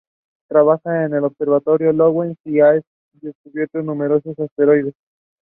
He was eventually executed for publishing unauthorised versions of the Bible.